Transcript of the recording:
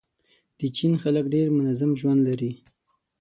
د چین خلک ډېر منظم ژوند لري.